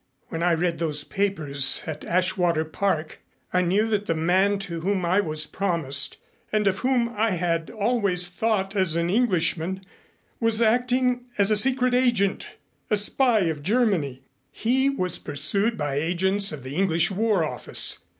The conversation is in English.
When I read those papers at Ashwater Park I knew that the man to whom I was promised and of whom I had always thought as an Englishman was acting as a secret agent a spy of Germany. He was pursued by agents of the English War Office.